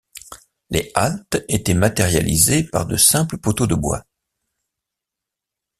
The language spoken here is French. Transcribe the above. Les haltes étaient matérialisées par de simples poteaux de bois.